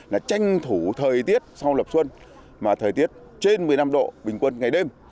là tranh thủ thời tiết sau lập xuân mà thời tiết trên một mươi năm độ bình quân ngày đêm